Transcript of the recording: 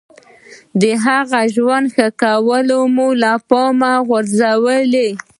د هغه ښه ژوند کول مو له پامه غورځولي.